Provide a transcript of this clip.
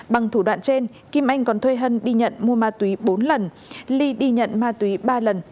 bằng thủ đoạn trên kim anh còn thuê hân đi nhận mua ma túy bốn lần ly đi nhận ma túy ba lần